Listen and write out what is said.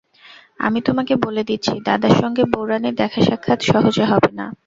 আমি তোমাকে বলে দিচ্ছি দাদার সঙ্গে বউরানীর দেখাসাক্ষাৎ সহজে হবে না।